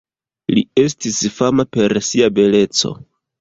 Li estis fama per sia beleco.